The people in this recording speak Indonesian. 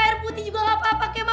air putih juga gak apa apa